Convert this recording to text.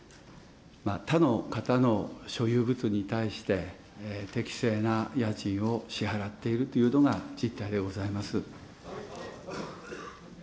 他の方の所有物に対して、適正な家賃を支払っているというのが実態でございます。